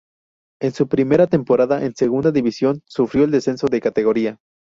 En su primera temporada en Segunda División, sufrió el descenso de categoría.